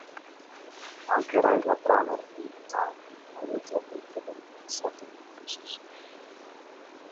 Anche Raisa Bruner di "Time" ne ha elogiato il potente messaggio contro il sessismo.